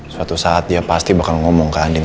kebetulan aja saya pulang cepat hari ini